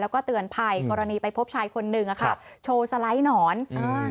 แล้วก็เตือนภัยกรณีไปพบชายคนหนึ่งอะค่ะโชว์สไลด์หนอนอ่า